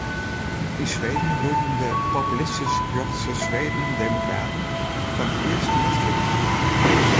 Yn Sweden groeiden de populistysk-rjochtse Swedendemokraten foar it earst net fierder.